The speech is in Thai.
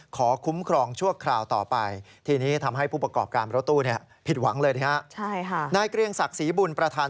คุ้มครองชั่วคราวต่อไปทีนี้ทำให้ผู้ประกอบการรถตู้ผิดหวังเลยนะครับ